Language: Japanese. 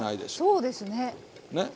あそうですね。